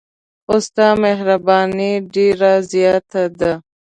خو ستا مهرباني ډېره زیاته ده.